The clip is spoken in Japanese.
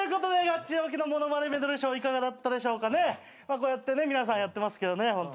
こうやってね皆さんやってますけどねホント。